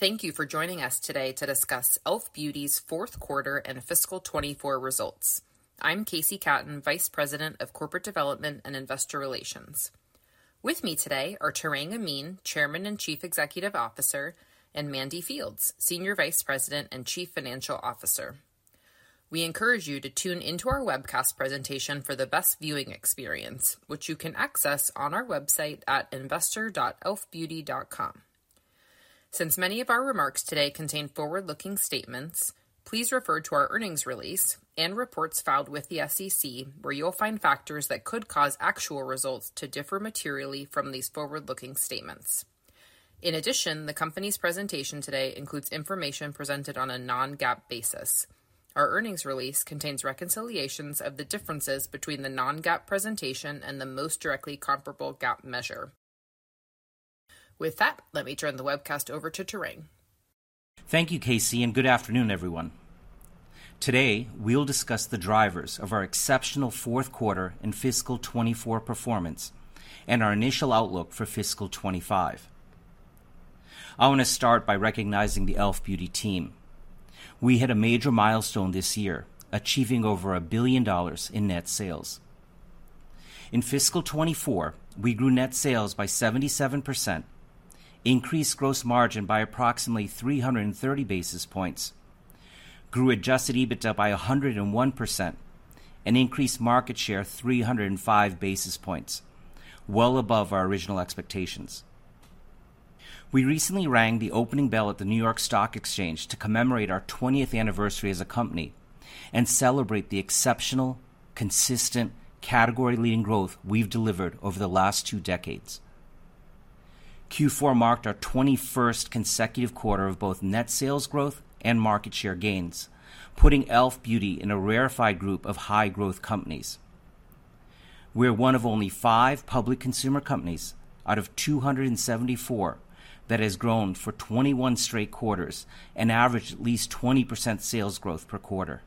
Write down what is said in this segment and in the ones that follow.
Thank you for joining us today to discuss e.l.f. Beauty's Fourth Quarter and Fiscal 2024 Results. I'm Casey Katten, Vice President of Corporate Development and Investor Relations. With me today are Tarang Amin, Chairman and Chief Executive Officer, and Mandy Fields, Senior Vice President and Chief Financial Officer. We encourage you to tune into our webcast presentation for the best viewing experience, which you can access on our website at investor.elfbeauty.com. Since many of our remarks today contain forward-looking statements, please refer to our earnings release and reports filed with the SEC, where you'll find factors that could cause actual results to differ materially from these forward-looking statements. In addition, the company's presentation today includes information presented on a non-GAAP basis. Our earnings release contains reconciliations of the differences between the non-GAAP presentation and the most directly comparable GAAP measure. With that, let me turn the webcast over to Tarang. Thank you, Casey, and good afternoon, everyone. Today, we'll discuss the drivers of our exceptional fourth quarter and fiscal 2024 performance and our initial outlook for fiscal 2025. I want to start by recognizing the e.l.f. Beauty team. We hit a major milestone this year, achieving over $1 billion in net sales. In fiscal 2024, we grew net sales by 77%, increased gross margin by approximately 330 basis points, grew adjusted EBITDA by 101%, and increased market share 305 basis points, well above our original expectations. We recently rang the opening bell at the New York Stock Exchange to commemorate our 20th anniversary as a company and celebrate the exceptional, consistent, category-leading growth we've delivered over the last two decades. Q4 marked our 21st consecutive quarter of both net sales growth and market share gains, putting e.l.f. Beauty in a rarefied group of high-growth companies. We're one of only five public consumer companies out of 274 that has grown for 21 straight quarters and averaged at least 20% sales growth per quarter.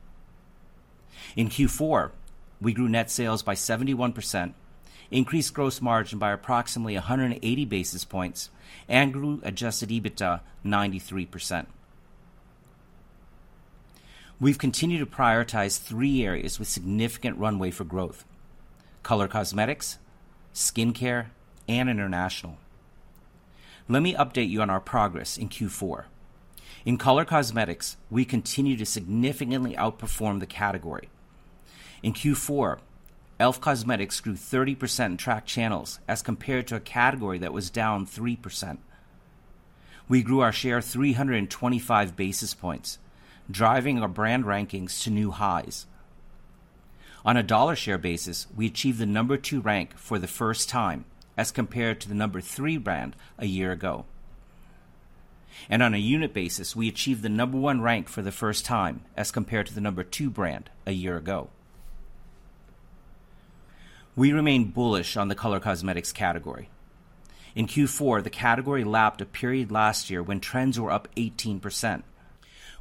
In Q4, we grew net sales by 71%, increased gross margin by approximately 180 basis points, and grew adjusted EBITDA 93%. We've continued to prioritize three areas with significant runway for growth: color cosmetics, skincare, and international. Let me update you on our progress in Q4. In color cosmetics, we continue to significantly outperform the category. In Q4, e.l.f. Cosmetics grew 30% in tracked channels as compared to a category that was down 3%. We grew our share 325 basis points, driving our brand rankings to new highs. On a dollar share basis, we achieved the number two rank for the first time as compared to the number three brand a year ago. On a unit basis, we achieved the number one rank for the first time as compared to the number two brand a year ago. We remain bullish on the color cosmetics category. In Q4, the category lapped a period last year when trends were up 18%.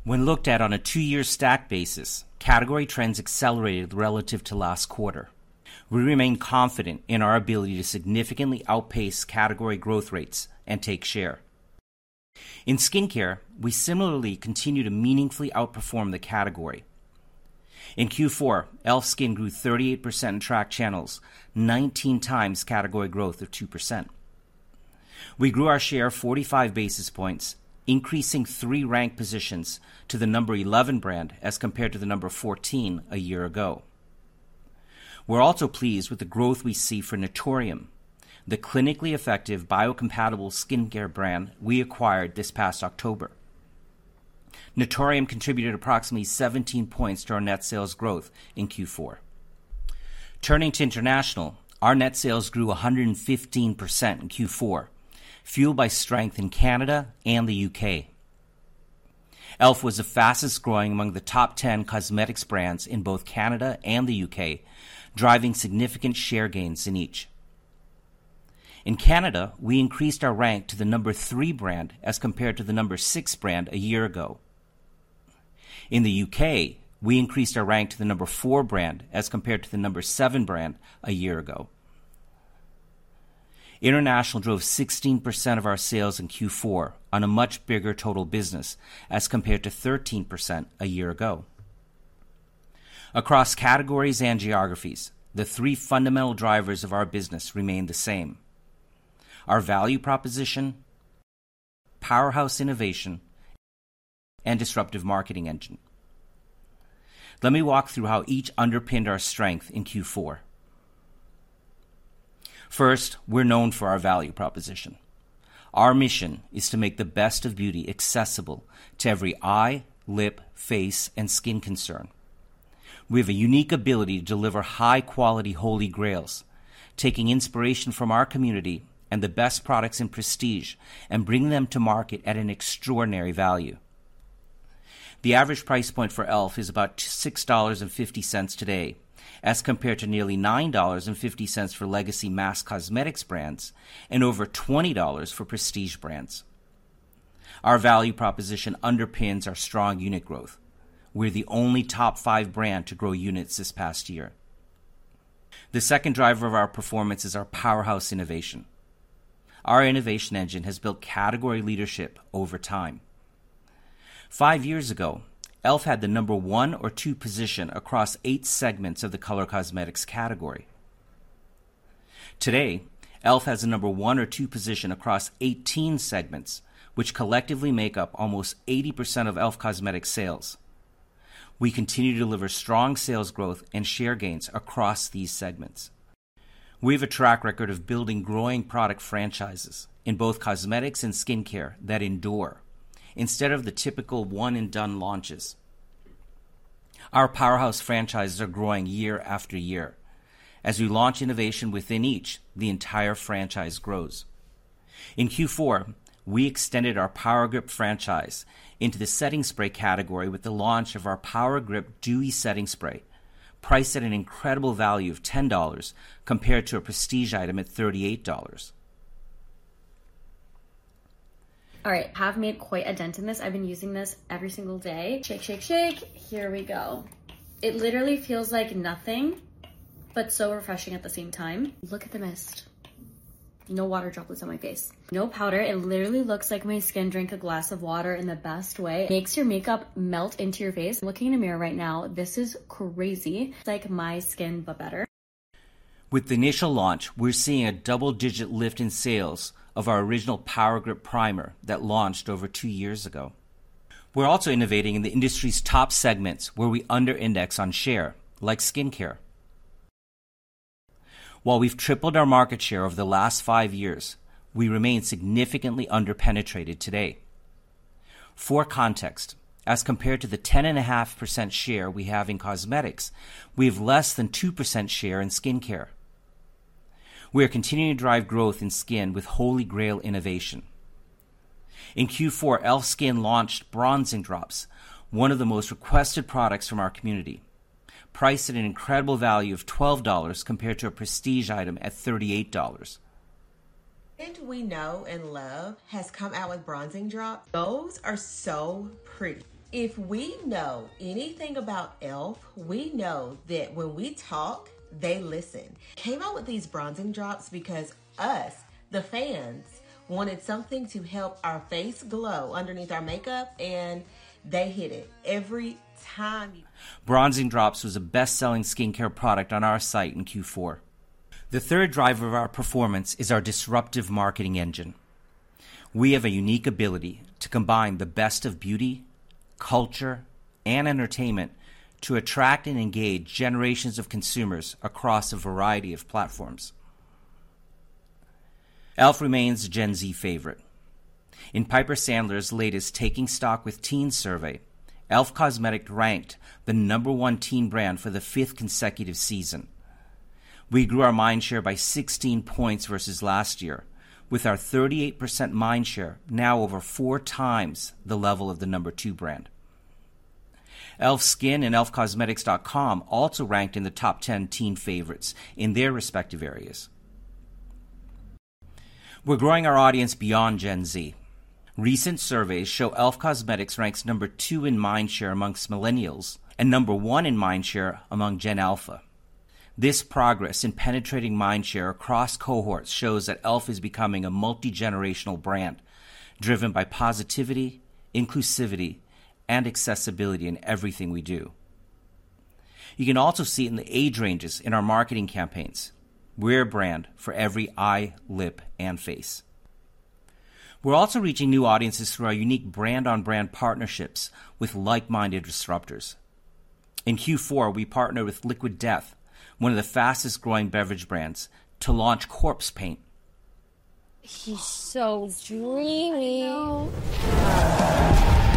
When looked at on a two-year stack basis, category trends accelerated relative to last quarter. We remain confident in our ability to significantly outpace category growth rates and take share. In skincare, we similarly continue to meaningfully outperform the category. In Q4, e.l.f. Skin grew 38% in tracked channels, 19 times category growth of 2%. We grew our share 45 basis points, increasing three rank positions to the number 11 brand as compared to the number 14 a year ago. We're also pleased with the growth we see for Naturium, the clinically effective, biocompatible skincare brand we acquired this past October. Naturium contributed approximately 17 points to our net sales growth in Q4. Turning to international, our net sales grew 115% in Q4, fueled by strength in Canada and the U.K. e.l.f. was the fastest-growing among the top 10 cosmetics brands in both Canada and the U.K., driving significant share gains in each. In Canada, we increased our rank to the number three brand as compared to the number six brand a year ago. In the U.K., we increased our rank to the number four brand as compared to the number seven brand a year ago. International drove 16% of our sales in Q4 on a much bigger total business as compared to 13% a year ago. Across categories and geographies, the three fundamental drivers of our business remain the same: our value proposition, powerhouse innovation, and disruptive marketing engine. Let me walk through how each underpinned our strength in Q4. First, we're known for our value proposition. Our mission is to make the best of beauty accessible to every eye, lip, face, and skin concern. We have a unique ability to deliver high-quality holy grails, taking inspiration from our community and the best products in prestige and bringing them to market at an extraordinary value. The average price point for e.l.f. is about $6.50 today, as compared to nearly $9.50 for legacy mass cosmetics brands and over $20 for prestige brands. Our value proposition underpins our strong unit growth. We're the only top five brand to grow units this past year. The second driver of our performance is our powerhouse innovation. Our innovation engine has built category leadership over time. Five years ago, e.l.f had the number one or two position across eight segments of the color cosmetics category. Today, e.l.f has the number one or two position across 18 segments, which collectively make up almost 80% of e.l.f cosmetic sales. We continue to deliver strong sales growth and share gains across these segments. We have a track record of building growing product franchises in both cosmetics and skincare that endure, instead of the typical one and done launches. Our powerhouse franchises are growing year after year. As we launch innovation within each, the entire franchise grows. In Q4, we extended our Power Grip franchise into the setting spray category with the launch of our Power Grip Dewy Setting Spray, priced at an incredible value of $10, compared to a prestige item at $38. All right, I have made quite a dent in this. I've been using this every single day. Shake, shake, shake. Here we go. It literally feels like nothing, but so refreshing at the same time. Look at the mist. No water droplets on my face, no powder. It literally looks like my skin drank a glass of water in the best way. Makes your makeup melt into your face. Looking in a mirror right now, this is crazy. It's like my skin, but better. With the initial launch, we're seeing a double-digit lift in sales of our original Power Grip Primer that launched over two years ago. We're also innovating in the industry's top segments, where we under-index on share, like skincare. While we've tripled our market share over the last five years, we remain significantly under-penetrated today. For context, as compared to the 10.5% share we have in cosmetics, we have less than 2% share in skincare. We are continuing to drive growth in skin with Holy Grail innovation. In Q4, e.l.f. Skin launched Bronzing Drops, one of the most requested products from our community, priced at an incredible value of $12 compared to a prestige item at $38. The brand we know and love has come out with Bronzing Drops. Those are so pretty. If we know anything about e.l.f., we know that when we talk, they listen. Came out with these Bronzing Drops because us, the fans, wanted something to help our face glow underneath our makeup, and they hit it. Every time- Bronzing Drops was a best-selling skincare product on our site in Q4. The third driver of our performance is our disruptive marketing engine. We have a unique ability to combine the best of beauty, culture, and entertainment to attract and engage generations of consumers across a variety of platforms. e.l.f. remains a Gen Z favorite. In Piper Sandler's latest Taking Stock with Teens survey, e.l.f. Cosmetics ranked the number one teen brand for the fifth consecutive season. We grew our mindshare by 16 points versus last year, with our 38% mindshare now over 4x the level of the number two brand. e.l.f. Skin and elfcosmetics.com also ranked in the top 10 teen favorites in their respective areas. We're growing our audience beyond Gen Z. Recent surveys show e.l.f. Cosmetics ranks number two in mindshare among millennials and number one in mindshare among Gen Alpha. This progress in penetrating mind share across cohorts shows that e.l.f is becoming a multigenerational brand, driven by positivity, inclusivity, and accessibility in everything we do. You can also see in the age ranges in our marketing campaigns, we're a brand for every eye, lip, and face. We're also reaching new audiences through our unique brand-on-brand partnerships with like-minded disruptors. In Q4, we partnered with Liquid Death, one of the fastest growing beverage brands, to launch Corpse Paint. He's so dreamy. I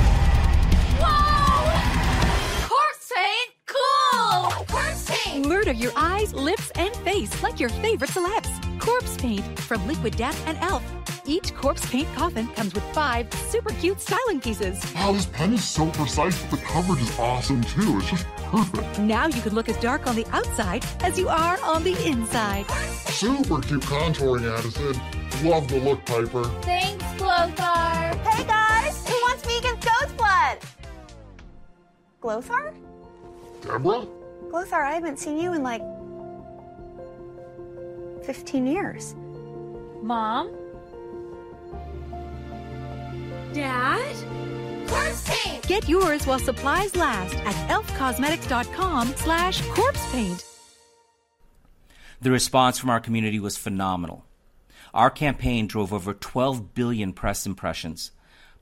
know. Whoa! Corpse Paint. Cool. Corpse Paint! Murder your eyes, lips, and face like your favorite celebs. Corpse Paint from Liquid Death and e.l.f. Each Corpse Paint coffin comes with five super cute styling pieces. Wow, this pen is so precise, but the coverage is awesome, too. It's just perfect. Now you can look as dark on the outside as you are on the inside. Corpse Paint- Super cute contouring, Addison. Love the look, Piper. Thanks, Glothar. Hey, guys, who wants vegan ghost blood? Glothar? Grandma? Glothar, I haven't seen you in, like, 15 years. Mom? Dad? Corpse Paint! Get yours while supplies last at elfcosmetics.com/corpsepaint. The response from our community was phenomenal. Our campaign drove over 12 billion press impressions,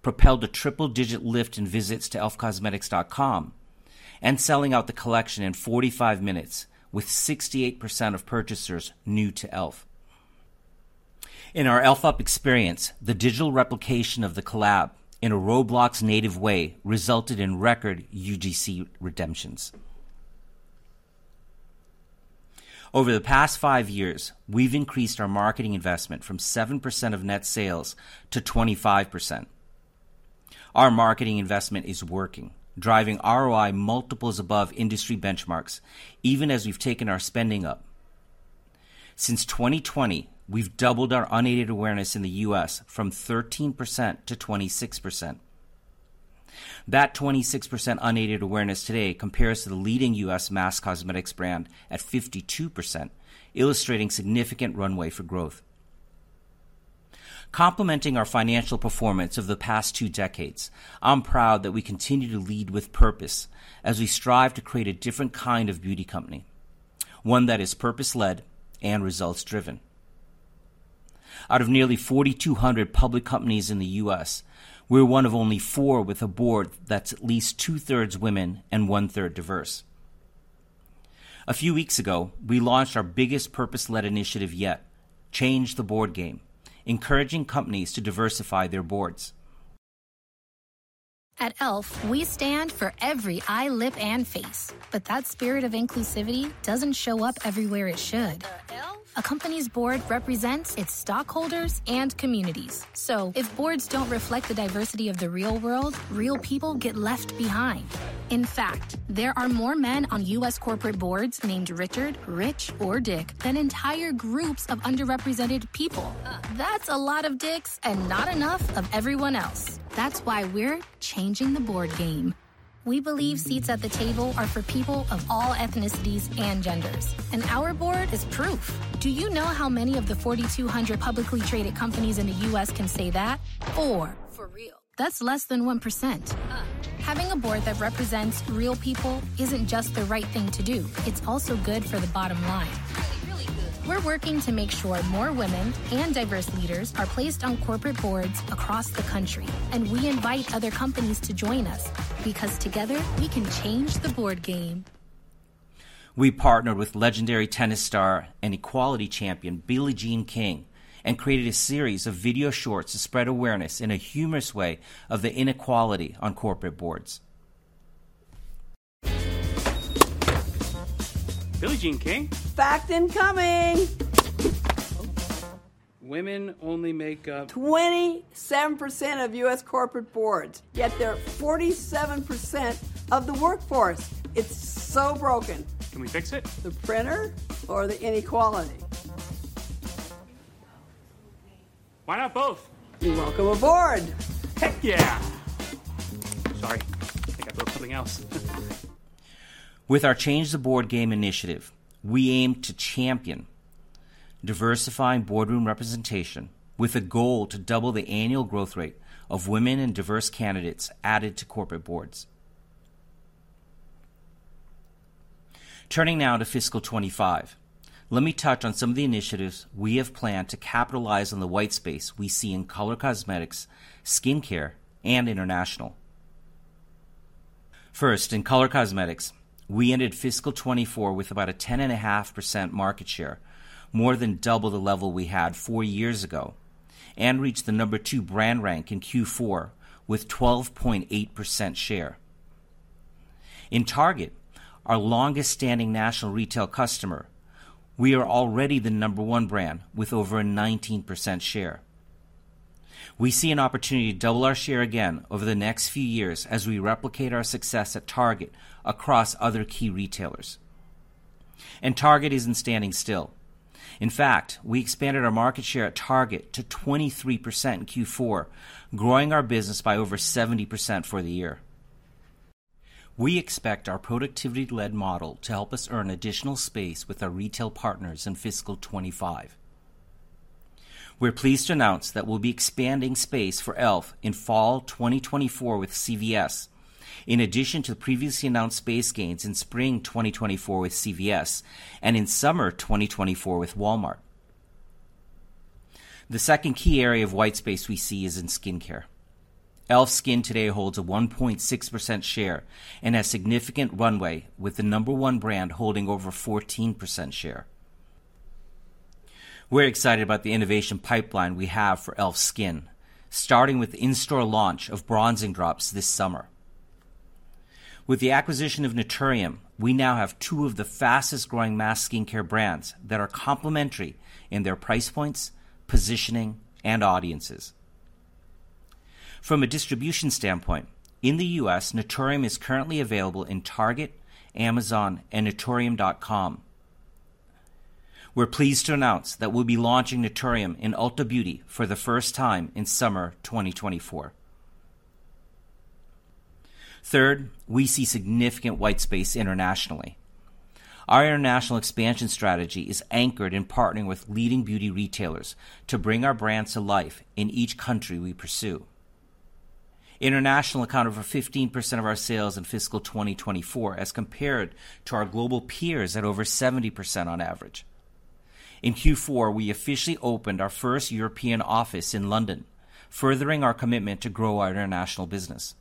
propelled a triple digit lift in visits to elfcosmetics.com, and selling out the collection in 45 minutes, with 68% of purchasers new to e.l.f. In our e.l.f. Up experience, the digital replication of the collab in a Roblox native way resulted in record UGC redemptions. Over the past five years, we've increased our marketing investment from 7% of net sales to 25%. Our marketing investment is working, driving ROI multiples above industry benchmarks, even as we've taken our spending up. Since 2020, we've doubled our unaided awareness in the U.S. from 13% to 26%.... That 26% unaided awareness today compares to the leading U.S. mass cosmetics brand at 52%, illustrating significant runway for growth. Complementing our financial performance of the past two decades, I'm proud that we continue to lead with purpose as we strive to create a different kind of beauty company, one that is purpose-led and results-driven. Out of nearly 4,200 public companies in the U.S., we're one of only four with a board that's at least two-thirds women and one-third diverse. A few weeks ago, we launched our biggest purpose-led initiative yet, Change the Board Game, encouraging companies to diversify their boards. At e.l.f, we stand for every eye, lip, and face, but that spirit of inclusivity doesn't show up everywhere it should. A company's board represents its stockholders and communities. So if boards don't reflect the diversity of the real world, real people get left behind. In fact, there are more men on U.S. corporate boards named Richard, Rich, or Dick than entire groups of underrepresented people. That's a lot of Dicks and not enough of everyone else. That's why we're changing the board game. We believe seats at the table are for people of all ethnicities and genders, and our board is proof. Do you know how many of the 4,200 publicly traded companies in the U.S. can say that? Four. For real. That's less than 1%. Having a board that represents real people isn't just the right thing to do, it's also good for the bottom line. Really, really good. We're working to make sure more women and diverse leaders are placed on corporate boards across the country, and we invite other companies to join us because together we can change the board game. We partnered with legendary tennis star and equality champion, Billie Jean King, and created a series of video shorts to spread awareness in a humorous way of the inequality on corporate boards. Billie Jean King? Fact incoming! Women only make up... 27% of U.S. corporate boards, yet they're 47% of the workforce. It's so broken. Can we fix it? The printer or the inequality? Why not both? You're welcome aboard. Heck, yeah! Sorry, I think I broke something else. With our Change the Board Game initiative, we aim to champion diversifying boardroom representation with a goal to double the annual growth rate of women and diverse candidates added to corporate boards. Turning now to fiscal 2025, let me touch on some of the initiatives we have planned to capitalize on the white space we see in color cosmetics, skincare, and international. First, in color cosmetics, we ended fiscal 2024 with about a 10.5% market share, more than double the level we had four years ago, and reached the number two brand rank in Q4 with 12.8% share. In Target, our longest-standing national retail customer, we are already the number one brand with over a 19% share. We see an opportunity to double our share again over the next few years as we replicate our success at Target across other key retailers, and Target isn't standing still. In fact, we expanded our market share at Target to 23% in Q4, growing our business by over 70% for the year. We expect our productivity-led model to help us earn additional space with our retail partners in fiscal 2025. We're pleased to announce that we'll be expanding space for e.l.f in fall 2024 with CVS, in addition to the previously announced space gains in spring 2024 with CVS and in summer 2024 with Walmart. The second key area of white space we see is in skincare. e.l.f. Skin today holds a 1.6% share and has significant runway, with the number one brand holding over 14% share. We're excited about the innovation pipeline we have for e.l.f. Skin, starting with the in-store launch of Bronzing Drops this summer. With the acquisition of Naturium, we now have two of the fastest-growing mass skincare brands that are complementary in their price points, positioning, and audiences. From a distribution standpoint, in the U.S., Naturium is currently available in Target, Amazon, and naturium.com. We're pleased to announce that we'll be launching Naturium in Ulta Beauty for the first time in summer 2024. Third, we see significant white space internationally. Our international expansion strategy is anchored in partnering with leading beauty retailers to bring our brands to life in each country we pursue. International accounted for 15% of our sales in fiscal 2024, as compared to our global peers at over 70% on average. In Q4, we officially opened our first European office in London, furthering our commitment to grow our international business.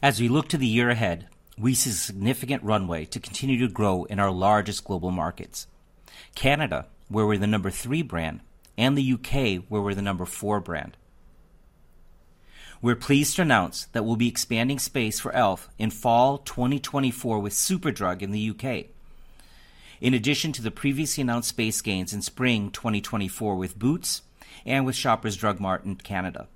As we look to the year ahead, we see significant runway to continue to grow in our largest global markets: Canada, where we're the number three brand, and the U.K., where we're the number four brand. We're pleased to announce that we'll be expanding space for e.l.f. in fall 2024 with Superdrug in the U.K., in addition to the previously announced space gains in spring 2024 with Boots and with Shoppers Drug Mart in Canada.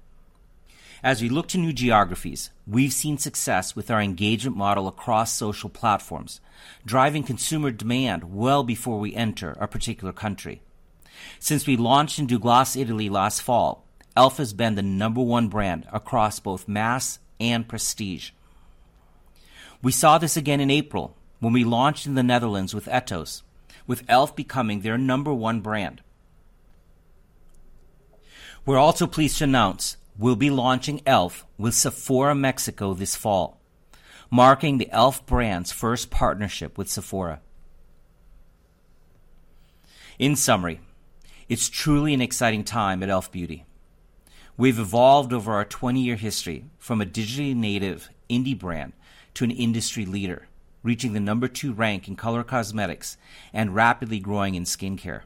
As we look to new geographies, we've seen success with our engagement model across social platforms, driving consumer demand well before we enter a particular country. Since we launched in Douglas, Italy last fall, e.l.f. has been the number one brand across both mass and prestige. We saw this again in April when we launched in the Netherlands with Etos, with e.l.f. becoming their number one brand. We're also pleased to announce we'll be launching e.l.f. with Sephora Mexico this fall, marking the e.l.f. brand's first partnership with Sephora. In summary, it's truly an exciting time at e.l.f. Beauty. We've evolved over our 20-year history from a digitally native indie brand to an industry leader, reaching the number two rank in color cosmetics and rapidly growing in skincare.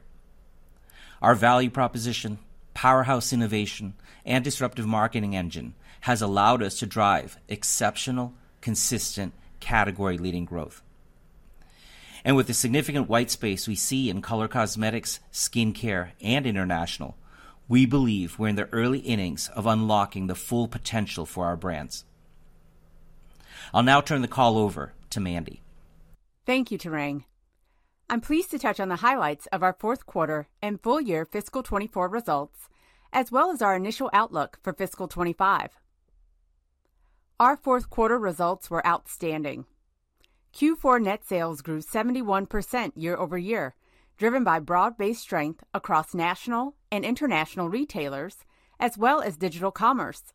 Our value proposition, powerhouse innovation, and disruptive marketing engine has allowed us to drive exceptional, consistent, category-leading growth. And with the significant white space we see in color cosmetics, skincare, and international, we believe we're in the early innings of unlocking the full potential for our brands. I'll now turn the call over to Mandy. Thank you, Tarang. I'm pleased to touch on the highlights of our fourth quarter and full year fiscal 2024 results, as well as our initial outlook for fiscal 2025. Our fourth quarter results were outstanding. Q4 net sales grew 71% year-over-year, driven by broad-based strength across national and international retailers, as well as digital commerce.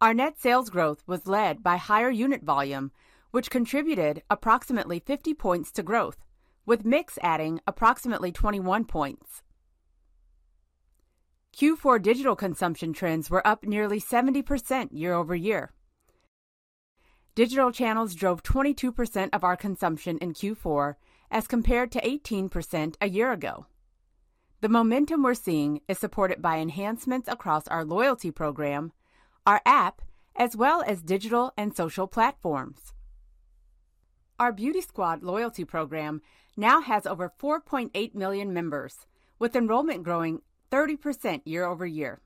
Our net sales growth was led by higher unit volume, which contributed approximately 50 points to growth, with mix adding approximately 21 points. Q4 digital consumption trends were up nearly 70% year-over-year. Digital channels drove 22% of our consumption in Q4 as compared to 18% a year ago. The momentum we're seeing is supported by enhancements across our loyalty program, our app, as well as digital and social platforms. Our Beauty Squad loyalty program now has over 4.8 million members, with enrollment growing 30% year-over-year.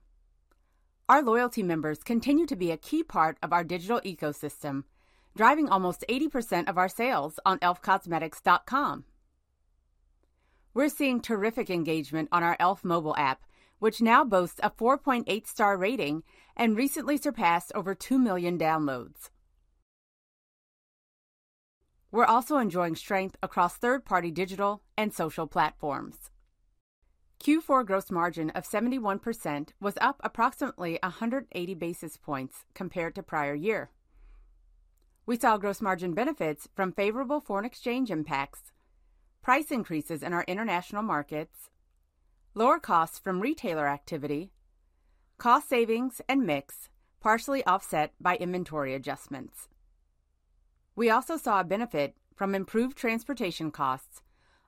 Our loyalty members continue to be a key part of our digital ecosystem, driving almost 80% of our sales on elfcosmetics.com. We're seeing terrific engagement on our e.l.f. mobile app, which now boasts a 4.8-star rating and recently surpassed over 2 million downloads. We're also enjoying strength across third-party digital and social platforms. Q4 gross margin of 71% was up approximately 180 basis points compared to prior year. We saw gross margin benefits from favorable foreign exchange impacts, price increases in our international markets, lower costs from retailer activity, cost savings and mix, partially offset by inventory adjustments. We also saw a benefit from improved transportation costs,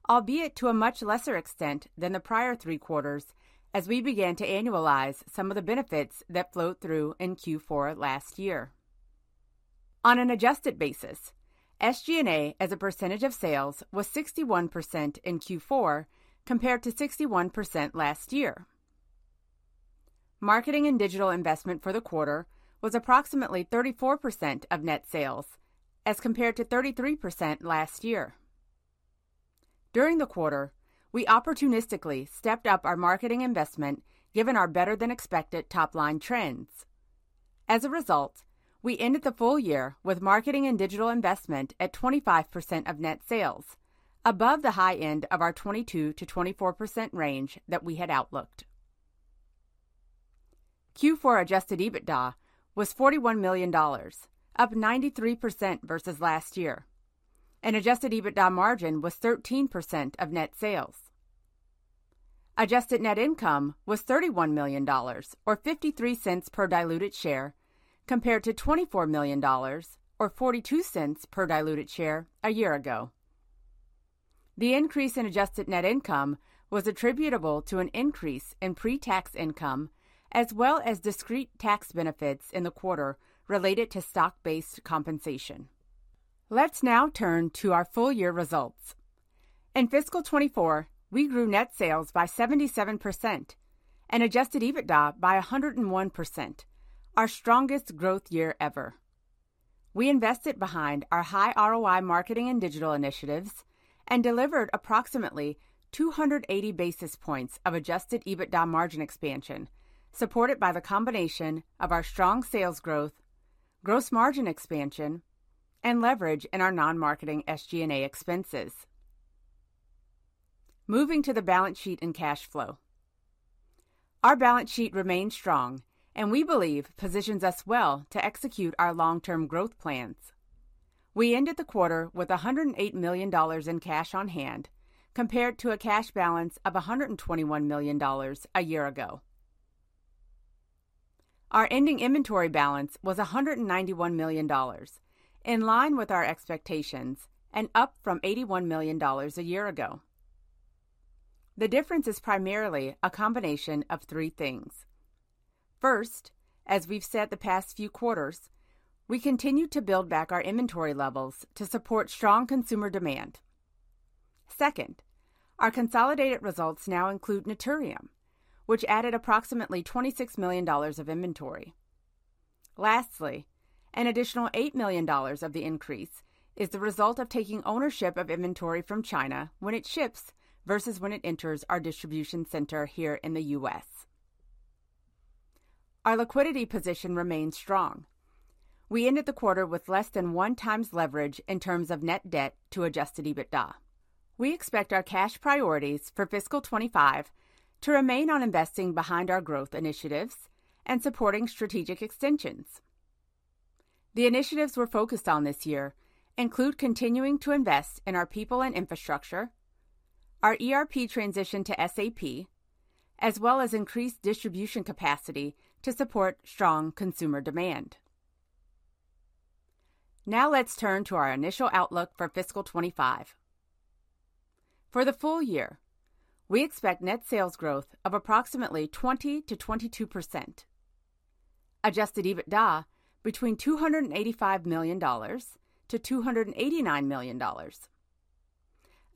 albeit to a much lesser extent than the prior three quarters, as we began to annualize some of the benefits that flowed through in Q4 last year. On an adjusted basis, SG&A as a percentage of sales was 61% in Q4, compared to 61% last year. Marketing and digital investment for the quarter was approximately 34% of net sales, as compared to 33% last year. During the quarter, we opportunistically stepped up our marketing investment, given our better-than-expected top-line trends. As a result, we ended the full year with marketing and digital investment at 25% of net sales, above the high end of our 22%-24% range that we had outlooked. Q4 adjusted EBITDA was $41 million, up 93% versus last year, and adjusted EBITDA margin was 13% of net sales. Adjusted net income was $31 million, or $0.53 per diluted share, compared to $24 million, or $0.42 per diluted share a year ago. The increase in adjusted net income was attributable to an increase in pre-tax income, as well as discrete tax benefits in the quarter related to stock-based compensation. Let's now turn to our full-year results. In fiscal 2024, we grew net sales by 77% and adjusted EBITDA by 101%, our strongest growth year ever. We invested behind our high ROI marketing and digital initiatives and delivered approximately 280 basis points of adjusted EBITDA margin expansion, supported by the combination of our strong sales growth, gross margin expansion, and leverage in our non-marketing SG&A expenses. Moving to the balance sheet and cash flow. Our balance sheet remains strong and we believe positions us well to execute our long-term growth plans. We ended the quarter with $108 million in cash on hand, compared to a cash balance of $121 million a year ago. Our ending inventory balance was $191 million, in line with our expectations and up from $81 million a year ago. The difference is primarily a combination of three things. First, as we've said the past few quarters, we continue to build back our inventory levels to support strong consumer demand. Second, our consolidated results now include Naturium, which added approximately $26 million of inventory. Lastly, an additional $8 million of the increase is the result of taking ownership of inventory from China when it ships, versus when it enters our distribution center here in the U.S. Our liquidity position remains strong. We ended the quarter with less than 1x leverage in terms of net debt to adjusted EBITDA. We expect our cash priorities for fiscal 2025 to remain on investing behind our growth initiatives and supporting strategic extensions. The initiatives we're focused on this year include continuing to invest in our people and infrastructure, our ERP transition to SAP, as well as increased distribution capacity to support strong consumer demand. Now let's turn to our initial outlook for fiscal 2025. For the full year, we expect net sales growth of approximately 20%-22%, adjusted EBITDA between $285-$289 million,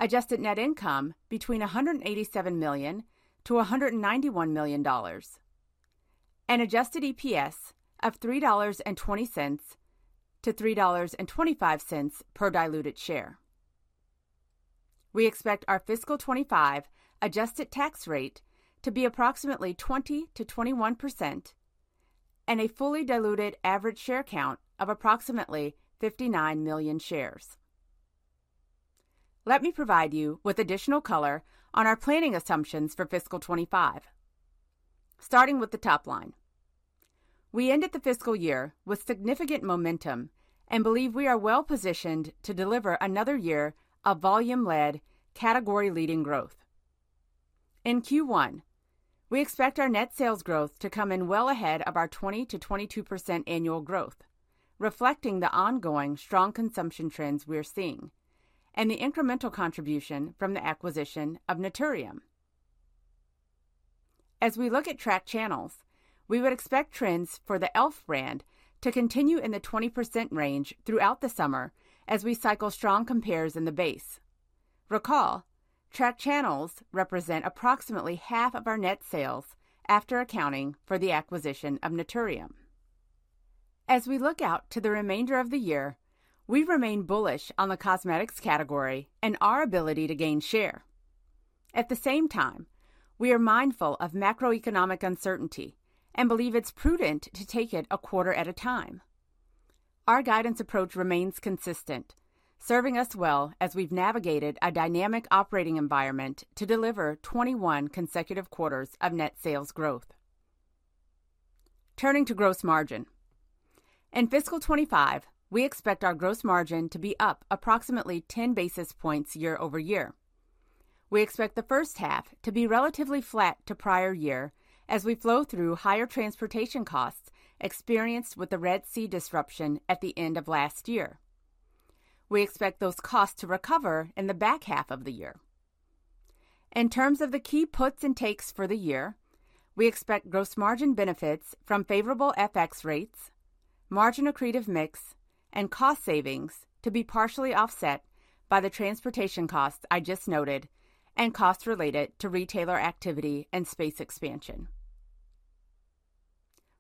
adjusted net income between $187-$191 million, and adjusted EPS of $3.20-$3.25 per diluted share. We expect our fiscal 2025 adjusted tax rate to be approximately 20%-21% and a fully diluted average share count of approximately 59 million shares. Let me provide you with additional color on our planning assumptions for fiscal 2025. Starting with the top line, we ended the fiscal year with significant momentum and believe we are well positioned to deliver another year of volume-led, category-leading growth. In Q1, we expect our net sales growth to come in well ahead of our 20%-22% annual growth, reflecting the ongoing strong consumption trends we are seeing and the incremental contribution from the acquisition of Naturium. As we look at track channels, we would expect trends for the e.l.f. brand to continue in the 20% range throughout the summer as we cycle strong compares in the base. Recall, retail channels represent approximately half of our net sales after accounting for the acquisition of Naturium. As we look out to the remainder of the year, we remain bullish on the cosmetics category and our ability to gain share. At the same time, we are mindful of macroeconomic uncertainty and believe it's prudent to take it a quarter at a time. Our guidance approach remains consistent, serving us well as we've navigated a dynamic operating environment to deliver 21 consecutive quarters of net sales growth. Turning to gross margin. In fiscal 2025, we expect our gross margin to be up approximately 10 basis points year-over-year. We expect the first half to be relatively flat to prior year as we flow through higher transportation costs experienced with the Red Sea disruption at the end of last year. We expect those costs to recover in the back half of the year. In terms of the key puts and takes for the year, we expect gross margin benefits from favorable FX rates, margin accretive mix, and cost savings to be partially offset by the transportation costs I just noted and costs related to retailer activity and space expansion.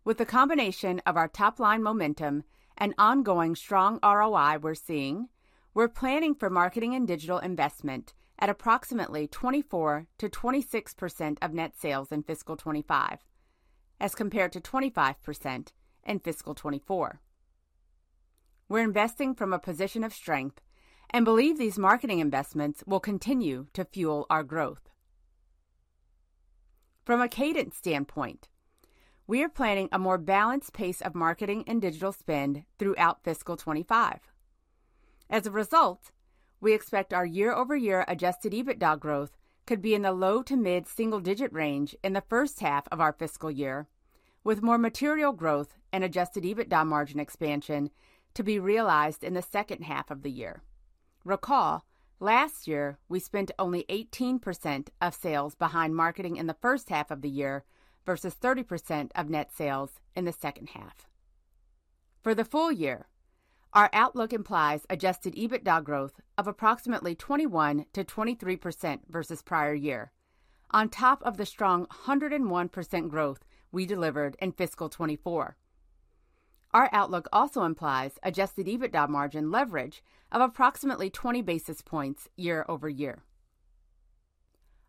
With the combination of our top-line momentum and ongoing strong ROI we're seeing, we're planning for marketing and digital investment at approximately 24%-26% of net sales in fiscal 2025, as compared to 25% in fiscal 2024. We're investing from a position of strength and believe these marketing investments will continue to fuel our growth. From a cadence standpoint, we are planning a more balanced pace of marketing and digital spend throughout fiscal 2025. As a result, we expect our year-over-year adjusted EBITDA growth could be in the low to mid-single digit range in the first half of our fiscal year, with more material growth and adjusted EBITDA margin expansion to be realized in the second half of the year. Recall, last year, we spent only 18% of sales behind marketing in the first half of the year, versus 30% of net sales in the second half. For the full year, our outlook implies adjusted EBITDA growth of approximately 21%-23% versus prior year, on top of the strong 101% growth we delivered in fiscal 2024. Our outlook also implies adjusted EBITDA margin leverage of approximately 20 basis points year over year.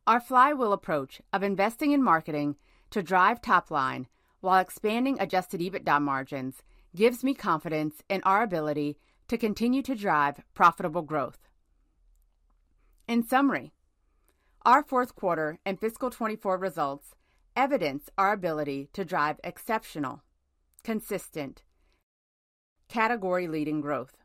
Our flywheel approach of investing in marketing to drive top line while expanding adjusted EBITDA margins gives me confidence in our ability to continue to drive profitable growth. In summary, our fourth quarter and fiscal 2024 results evidence our ability to drive exceptional, consistent, category-leading growth.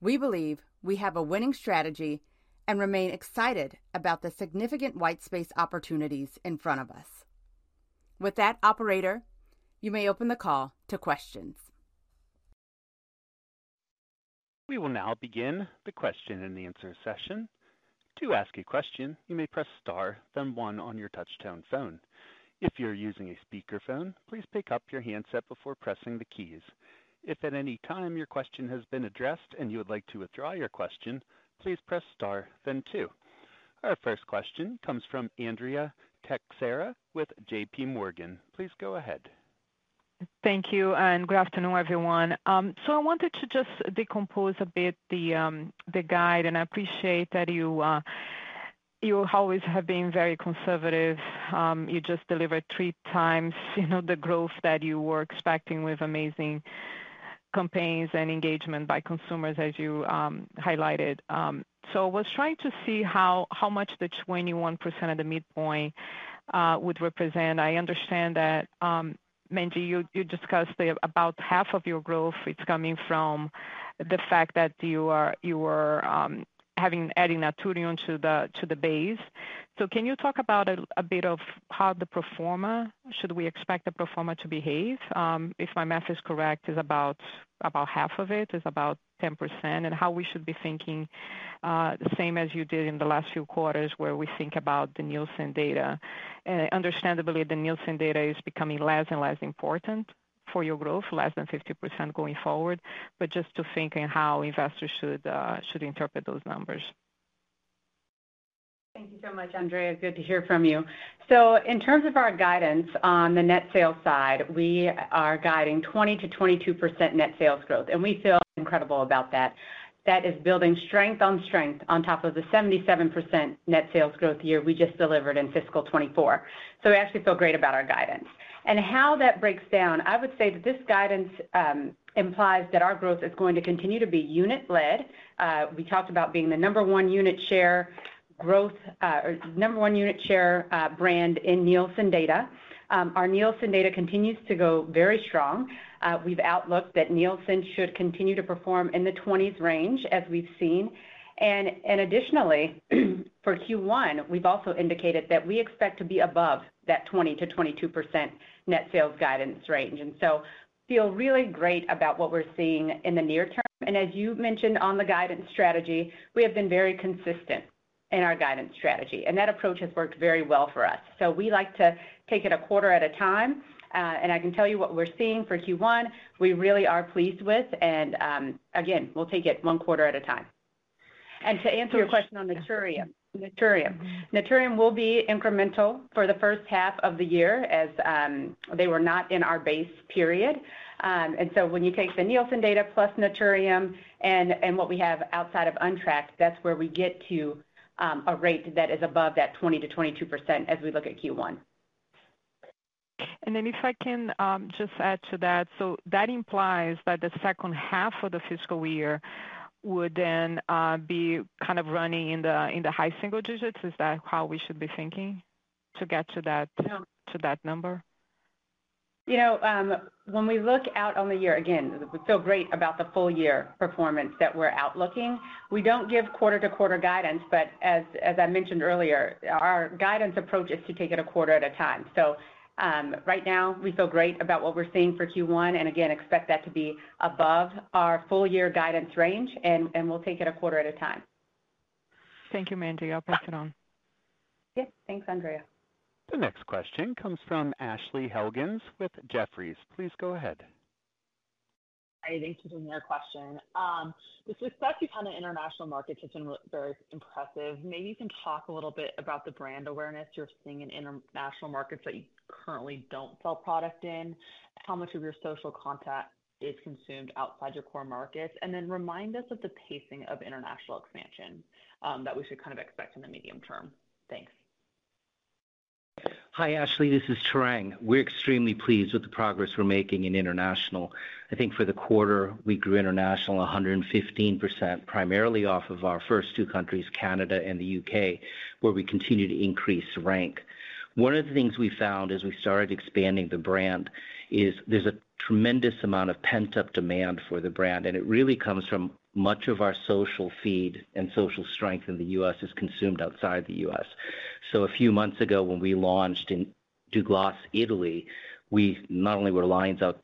We believe we have a winning strategy and remain excited about the significant white space opportunities in front of us. With that, operator, you may open the call to questions. We will now begin the question and answer session. To ask a question, you may press star, then one on your touchtone phone. If you're using a speakerphone, please pick up your handset before pressing the keys. If at any time your question has been addressed and you would like to withdraw your question, please press star then two. Our first question comes from Andrea Teixeira with JPMorgan. Please go ahead. Thank you, and good afternoon, everyone. So I wanted to just decompose a bit the guide, and I appreciate that you always have been very conservative. You just delivered three times, you know, the growth that you were expecting with amazing campaigns and engagement by consumers, as you highlighted. So I was trying to see how much the 21% of the midpoint would represent. I understand that, Mandy, you discussed that about half of your growth is coming from the fact that you are adding Naturium to the base. So can you talk about a bit of how the pro forma should we expect the pro forma to behave? If my math is correct, is about, about half of it, is about 10%, and how we should be thinking the same as you did in the last few quarters, where we think about the Nielsen data. Understandably, the Nielsen data is becoming less and less important for your growth, less than 50% going forward. But just to think in how investors should, should interpret those numbers. Thank you so much, Andrea. Good to hear from you. So in terms of our guidance on the net sales side, we are guiding 20%-22% net sales growth, and we feel incredible about that. That is building strength on strength on top of the 77% net sales growth year we just delivered in fiscal 2024. So we actually feel great about our guidance. And how that breaks down, I would say that this guidance implies that our growth is going to continue to be unit-led. We talked about being the number one unit share growth or number one unit share brand in Nielsen data. Our Nielsen data continues to go very strong. We've outlooked that Nielsen should continue to perform in the 20s range, as we've seen. Additionally, for Q1, we've also indicated that we expect to be above that 20%-22% net sales guidance range, and so feel really great about what we're seeing in the near term. As you've mentioned on the guidance strategy, we have been very consistent in our guidance strategy, and that approach has worked very well for us. So we like to take it a quarter at a time. I can tell you what we're seeing for Q1, we really are pleased with, and again, we'll take it one quarter at a time. To answer your question on Naturium. Naturium, Naturium will be incremental for the first half of the year, as they were not in our base period. And so when you take the Nielsen data, plus Naturium and what we have outside of untracked, that's where we get to a rate that is above that 20%-22% as we look at Q1. And then if I can just add to that. So that implies that the second half of the fiscal year would then be kind of running in the high single digits. Is that how we should be thinking to get to that- to that number? You know, when we look out on the year, again, we feel great about the full year performance that we're outlooking. We don't give quarter-to-quarter guidance, but as I mentioned earlier, our guidance approach is to take it a quarter at a time. Right now, we feel great about what we're seeing for Q1, and again, expect that to be above our full year guidance range, and we'll take it a quarter at a time. Thank you, Mandy. I'll pass it on. Yeah. Thanks, Andrea. The next question comes from Ashley Helgans with Jefferies. Please go ahead. Hi, thanks for the question. The success you've had in the international markets has been very impressive. Maybe you can talk a little bit about the brand awareness you're seeing in international markets that you currently don't sell product in, how much of your social content is consumed outside your core markets, and then remind us of the pacing of international expansion, that we should kind of expect in the medium term. Thanks. Hi, Ashley, this is Tarang. We're extremely pleased with the progress we're making in international. I think for the quarter, we grew international 115%, primarily off of our first two countries, Canada and the U.K., where we continue to increase rank. One of the things we found as we started expanding the brand is there's a tremendous amount of pent-up demand for the brand, and it really comes from much of our social feed, and social strength in the U.S. is consumed outside the U.S. So a few months ago, when we launched in Douglas, Italy, we not only were lines out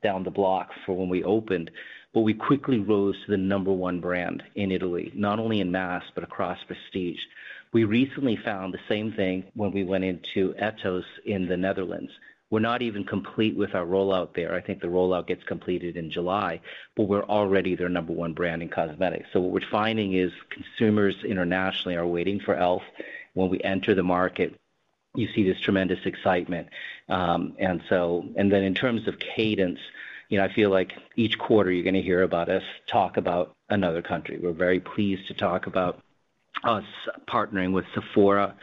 down the block for when we opened, but we quickly rose to the number one brand in Italy, not only in mass, but across prestige. We recently found the same thing when we went into Etos in the Netherlands. We're not even complete with our rollout there. I think the rollout gets completed in July, but we're already their number one brand in cosmetics. So what we're finding is consumers internationally are waiting for e.l.f. When we enter the market, you see this tremendous excitement. And then in terms of cadence, you know, I feel like each quarter you're going to hear about us talk about another country. We're very pleased to talk about us partnering with Sephora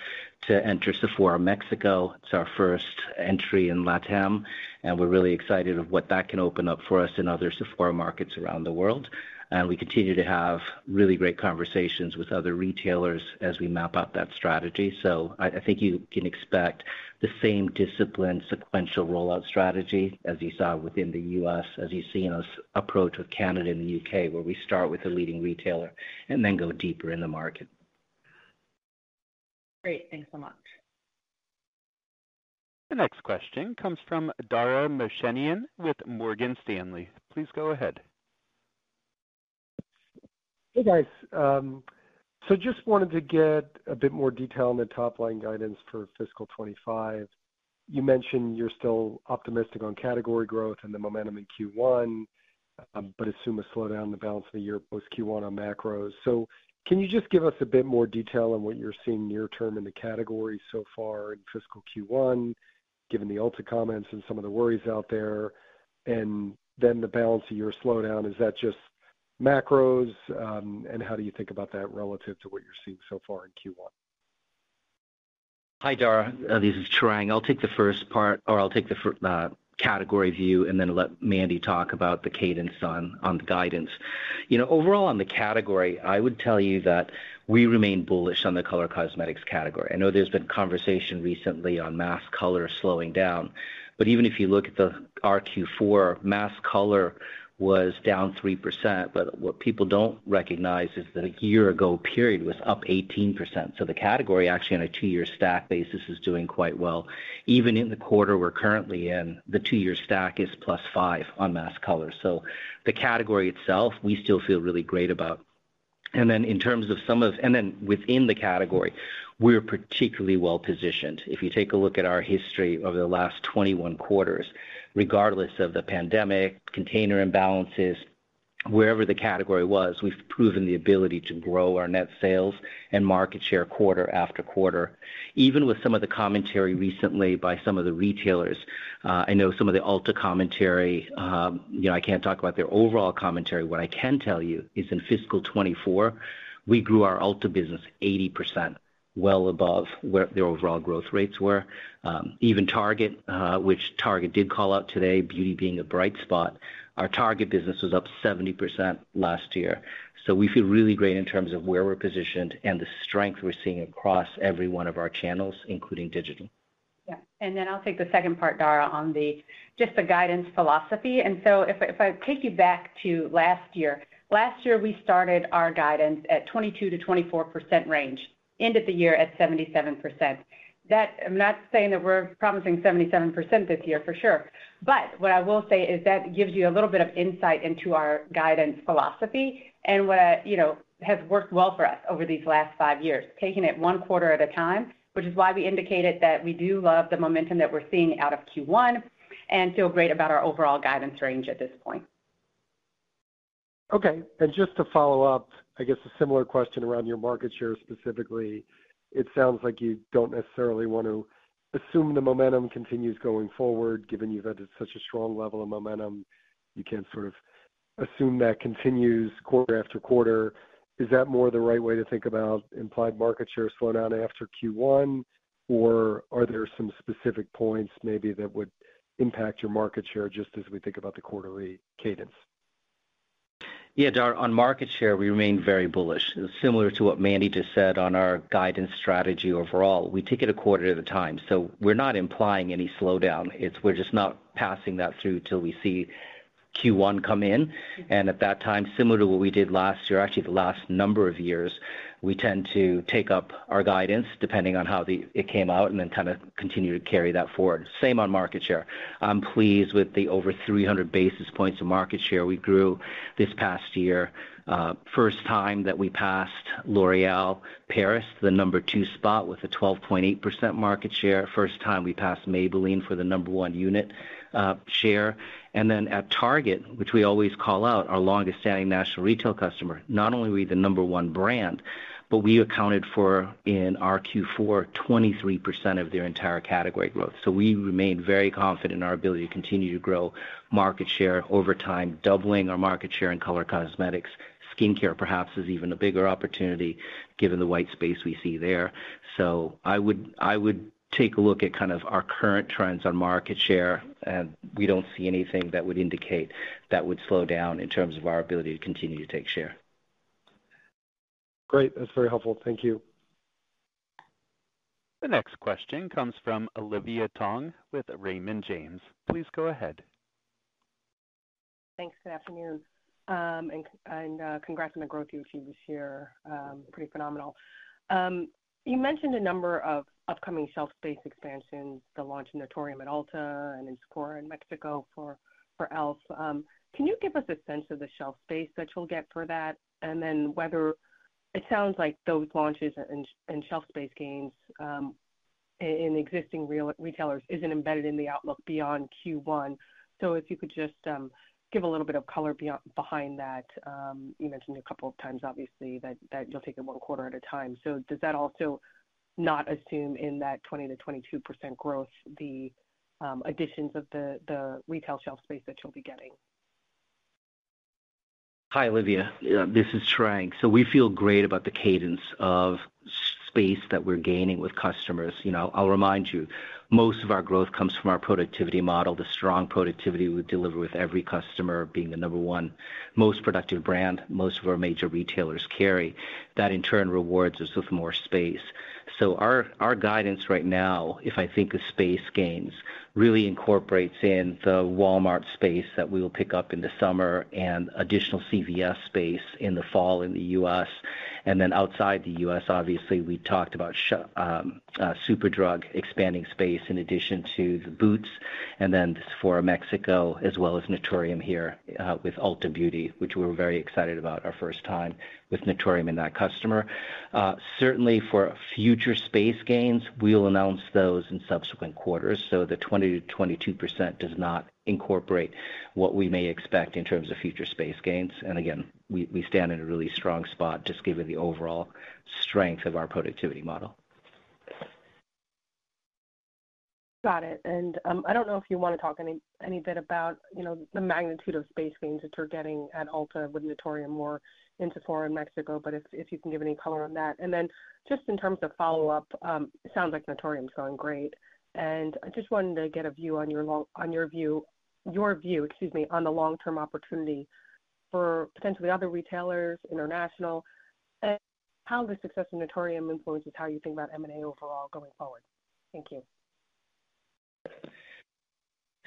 to enter Sephora Mexico. It's our first entry in LATAM, and we're really excited of what that can open up for us in other Sephora markets around the world. And we continue to have really great conversations with other retailers as we map out that strategy. So I think you can expect the same disciplined, sequential rollout strategy as you saw within the U.S., as you see in U.S. approach with Canada and the U.K., where we start with a leading retailer and then go deeper in the market. Great, thanks so much. The next question comes from Dara Mohsenian with Morgan Stanley. Please go ahead. Hey, guys. So just wanted to get a bit more detail on the top-line guidance for fiscal 2025. You mentioned you're still optimistic on category growth and the momentum in Q1, but assume a slowdown in the balance of the year, post Q1 on macros. So can you just give us a bit more detail on what you're seeing near term in the category so far in fiscal Q1, given the Ulta comments and some of the worries out there? And then the balance of your slowdown, is that just macros? And how do you think about that relative to what you're seeing so far in Q1? Hi, Dara. This is Tarang. I'll take the first part, or I'll take the category view and then let Mandy talk about the cadence on, on the guidance. You know, overall, on the category, I would tell you that we remain bullish on the color cosmetics category. I know there's been conversation recently on mass color slowing down, but even if you look at the Q4, mass color was down 3%. But what people don't recognize is that a year ago period was up 18%. So the category, actually, on a two-year stack basis, is doing quite well. Even in the quarter we're currently in, the two-year stack is +5% on mass color. So the category itself, we still feel really great about. And then within the category, we're particularly well positioned. If you take a look at our history over the last 21 quarters, regardless of the pandemic, container imbalances, wherever the category was, we've proven the ability to grow our net sales and market share quarter after quarter, even with some of the commentary recently by some of the retailers. I know some of the Ulta commentary, you know, I can't talk about their overall commentary. What I can tell you is in fiscal 2024, we grew our Ulta business 80%, well above where their overall growth rates were. Even Target, which Target did call out today, beauty being a bright spot, our Target business was up 70% last year. So we feel really great in terms of where we're positioned and the strength we're seeing across every one of our channels, including digital. Yeah, and then I'll take the second part, Dara, on the, just the guidance philosophy. And so if I, if I take you back to last year, last year, we started our guidance at 22%-24% range, end of the year at 77%. That. I'm not saying that we're promising 77% this year, for sure, but what I will say is that gives you a little bit of insight into our guidance philosophy and what, you know, has worked well for us over these last five years. Taking it one quarter at a time, which is why we indicated that we do love the momentum that we're seeing out of Q1 and feel great about our overall guidance range at this point. Okay, and just to follow up, I guess a similar question around your market share specifically. It sounds like you don't necessarily want to assume the momentum continues going forward, given you've had such a strong level of momentum. You can't sort of assume that continues quarter after quarter. Is that more the right way to think about implied market share slowing down after Q1, or are there some specific points maybe that would impact your market share, just as we think about the quarterly cadence? Yeah, Dara, on market share, we remain very bullish. Similar to what Mandy just said on our guidance strategy overall, we take it a quarter at a time, so we're not implying any slowdown. It's, we're just not passing that through till we see Q1 come in. And at that time, similar to what we did last year, actually the last number of years, we tend to take up our guidance, depending on how the, it came out, and then kind of continue to carry that forward. Same on market share. I'm pleased with the over 300 basis points of market share we grew this past year. First time that we passed L'Oreal Paris, the number two spot with a 12.8% market share. First time we passed Maybelline for the number one unit share. And then at Target, which we always call out, our longest-standing national retail customer, not only were we the number one brand, but we accounted for, in our Q4, 23% of their entire category growth. So we remain very confident in our ability to continue to grow market share over time, doubling our market share in color cosmetics. Skincare, perhaps, is even a bigger opportunity, given the white space we see there. So I would, I would take a look at kind of our current trends on market share, and we don't see anything that would indicate that would slow down in terms of our ability to continue to take share. Great. That's very helpful. Thank you. The next question comes from Olivia Tong with Raymond James. Please go ahead. Thanks, good afternoon. Congrats on the growth you achieved this year, pretty phenomenal. You mentioned a number of upcoming shelf space expansions, the launch in Naturium at Ulta and in Korea in Mexico for e.l.f. Can you give us a sense of the shelf space that you'll get for that? And then whether it sounds like those launches and shelf space gains in existing retailers isn't embedded in the outlook beyond Q1. So if you could just give a little bit of color behind that. You mentioned a couple of times, obviously, that you'll take it one quarter at a time. So does that also not assume in that 20%-22% growth, the additions of the retail shelf space that you'll be getting? Hi, Olivia, this is Tarang. So we feel great about the cadence of space that we're gaining with customers. You know, I'll remind you, most of our growth comes from our productivity model, the strong productivity we deliver with every customer being the number one most productive brand most of our major retailers carry. That, in turn, rewards us with more space. So our guidance right now, if I think of space gains, really incorporates in the Walmart space that we will pick up in the summer and additional CVS space in the fall in the U.S. And then outside the U.S., obviously, we talked about Superdrug expanding space in addition to the Boots. And then Sephora Mexico, as well as Naturium here with Ulta Beauty, which we're very excited about, our first time with Naturium and that customer. Certainly for future space gains, we'll announce those in subsequent quarters. So the 20%-22% does not incorporate what we may expect in terms of future space gains. And again, we stand in a really strong spot, just given the overall strength of our productivity model. Got it. And, I don't know if you wanna talk any bit about, you know, the magnitude of space gains that you're getting at Ulta with Naturium or in Sephora in Mexico, but if you can give any color on that. And then just in terms of follow-up, it sounds like Naturium is going great, and I just wanted to get a view on your view, excuse me, on the long-term opportunity for potentially other retailers, international, and how the success of Naturium influences how you think about M&A overall going forward. Thank you.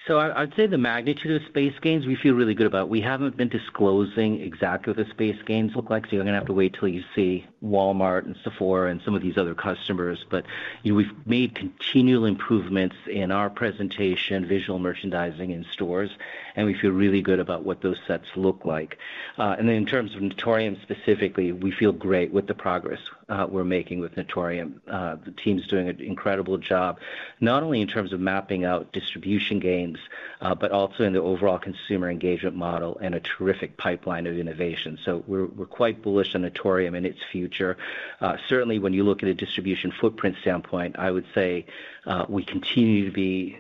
So, I'd say the magnitude of space gains, we feel really good about. We haven't been disclosing exactly what the space gains look like, so you're gonna have to wait till you see Walmart and Sephora and some of these other customers. But, you know, we've made continual improvements in our presentation, visual merchandising in stores, and we feel really good about what those sets look like. And then in terms of Naturium specifically, we feel great with the progress we're making with Naturium. The team's doing an incredible job, not only in terms of mapping out distribution gains, but also in the overall consumer engagement model and a terrific pipeline of innovation. So we're quite bullish on Naturium and its future. Certainly, when you look at a distribution footprint standpoint, I would say, we continue to be...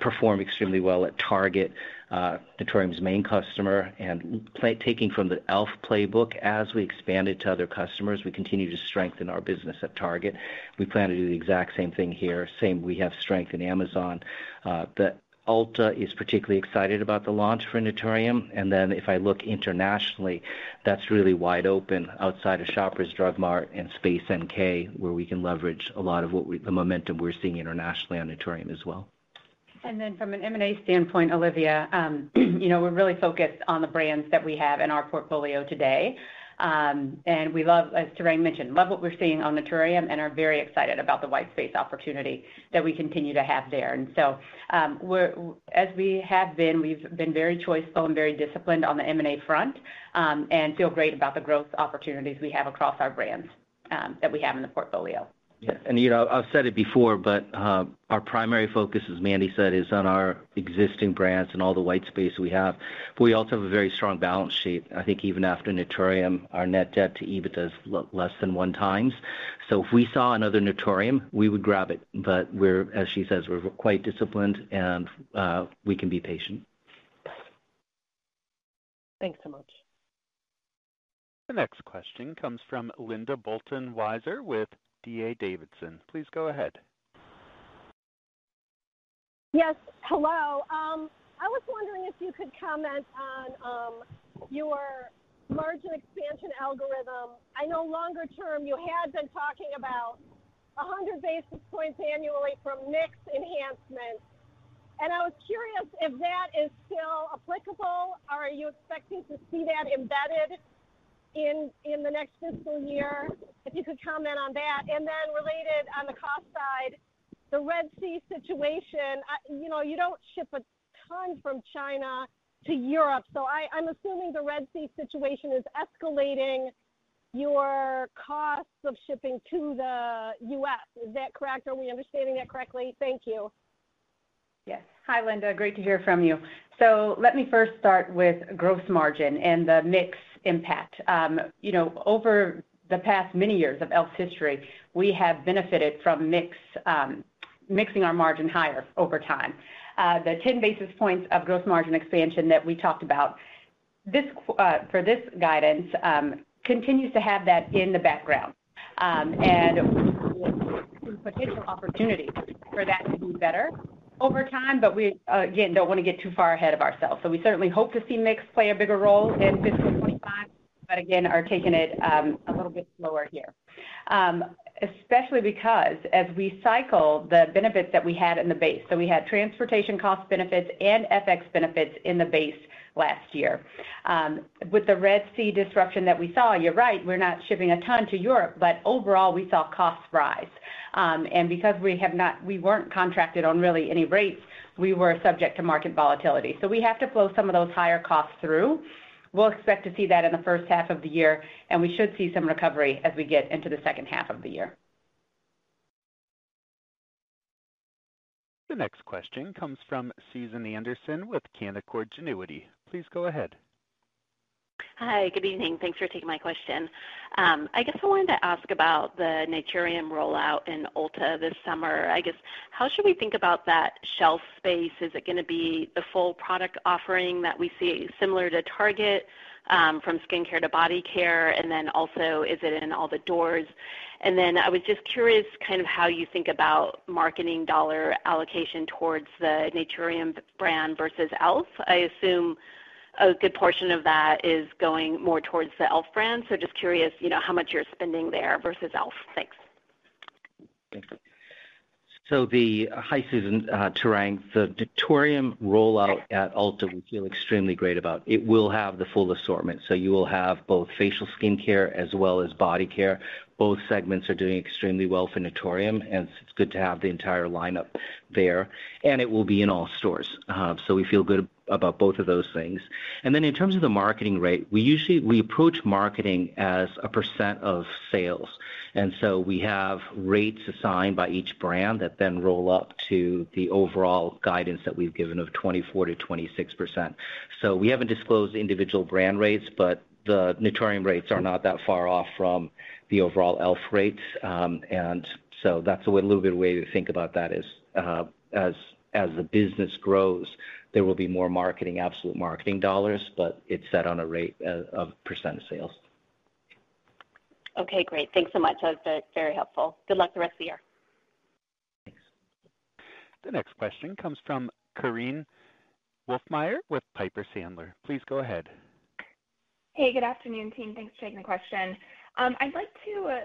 perform extremely well at Target, Naturium's main customer, and taking from the e.l.f playbook as we expand it to other customers, we continue to strengthen our business at Target. We plan to do the exact same thing here. Same, we have strength in Amazon, but Ulta is particularly excited about the launch for Naturium. And then, if I look internationally, that's really wide open outside of Shoppers Drug Mart and Space NK, where we can leverage a lot of what the momentum we're seeing internationally on Naturium as well. And then from an M&A standpoint, Olivia, you know, we're really focused on the brands that we have in our portfolio today. And we love, as Tarang mentioned, love what we're seeing on Naturium and are very excited about the white space opportunity that we continue to have there. And so, we're, as we have been, we've been very choiceful and very disciplined on the M&A front, and feel great about the growth opportunities we have across our brands, that we have in the portfolio. Yeah. You know, I've said it before, but our primary focus, as Mandy said, is on our existing brands and all the white space we have. But we also have a very strong balance sheet. I think even after Naturium, our net debt to EBITDA is less than 1x. So if we saw another Naturium, we would grab it. But we're, as she says, we're quite disciplined and we can be patient. Thanks so much. The next question comes from Linda Bolton Weiser with D.A. Davidson. Please go ahead. Yes, hello. I was wondering if you could comment on your margin expansion algorithm. I know longer term, you had been talking about 100 basis points annually from mix enhancements, and I was curious if that is still applicable, or are you expecting to see that embedded in the next fiscal year? If you could comment on that. And then related, on the cost side, the Red Sea situation, you know, you don't ship a ton from China to Europe, so I'm assuming the Red Sea situation is escalating your costs of shipping to the U.S. Is that correct? Are we understanding that correctly? Thank you. Yes. Hi, Linda. Great to hear from you. So let me first start with gross margin and the mix impact. You know, over the past many years of e.l.f.'s history, we have benefited from mix, mixing our margin higher over time. The 10 basis points of gross margin expansion that we talked about, for this guidance, continues to have that in the background. And potential opportunity for that to be better over time, but we, again, don't wanna get too far ahead of ourselves. So we certainly hope to see mix play a bigger role in fiscal 2025, but again, are taking it, a little bit slower here. Especially because as we cycle the benefits that we had in the base, so we had transportation cost benefits and FX benefits in the base last year. With the Red Sea disruption that we saw, you're right, we're not shipping a ton to Europe, but overall, we saw costs rise. Because we have not, we weren't contracted on really any rates, we were subject to market volatility. So we have to flow some of those higher costs through. We'll expect to see that in the first half of the year, and we should see some recovery as we get into the second half of the year. The next question comes from Susan Anderson with Canaccord Genuity. Please go ahead. Hi, good evening. Thanks for taking my question. I guess I wanted to ask about the Naturium rollout in Ulta this summer. I guess, how should we think about that shelf space? Is it gonna be the full product offering that we see similar to Target, from skincare to body care? And then also, is it in all the doors? And then I was just curious, kind of how you think about marketing dollar allocation towards the Naturium brand versus e.l.f? I assume a good portion of that is going more towards the e.l.f brand, so just curious, you know, how much you're spending there versus e.l.f. Thanks. So, hi, Susan, Tarang. The Naturium rollout at Ulta, we feel extremely great about. It will have the full assortment, so you will have both facial skincare as well as body care. Both segments are doing extremely well for Naturium, and it's good to have the entire lineup there, and it will be in all stores. So we feel good about both of those things. And then in terms of the marketing rate, we usually approach marketing as a percent of sales, and so we have rates assigned by each brand that then roll up to the overall guidance that we've given of 24%-26%. So we haven't disclosed individual brand rates, but the Naturium rates are not that far off from the overall e.l.f. rates. And so that's a little bit of way to think about that is, as the business grows, there will be more marketing, absolute marketing dollars, but it's set on a rate of % of sales. Okay, great. Thanks so much. That was very helpful. Good luck the rest of the year. Thanks. The next question comes from Korinne Wolfmeyer with Piper Sandler. Please go ahead. Hey, good afternoon, team. Thanks for taking the question. I'd like to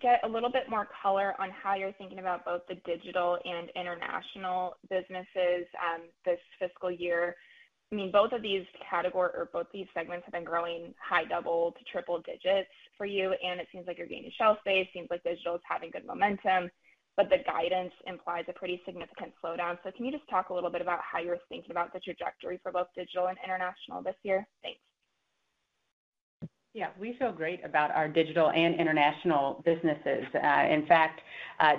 get a little bit more color on how you're thinking about both the digital and international businesses, this fiscal year. I mean, both of these category or both these segments have been growing high double to triple digits for you, and it seems like you're gaining shelf space. Seems like digital is having good momentum, but the guidance implies a pretty significant slowdown. So can you just talk a little bit about how you're thinking about the trajectory for both digital and international this year? Thanks. Yeah, we feel great about our digital and international businesses. In fact,